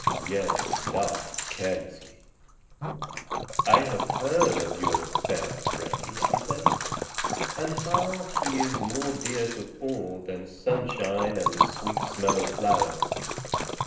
Gerd laughed carelessly. "I have heard of your fair Frey," she said, "and how he is more dear to all than sunshine and the sweet smell of flowers.